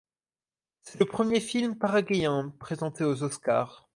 C'est le premier film paraguayen présenté aux Oscars.